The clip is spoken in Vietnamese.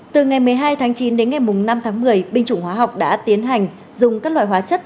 từ ngày một mươi hai tháng chín đến ngày năm tháng một mươi binh chủng hóa học đã tiến hành dùng các loại hóa chất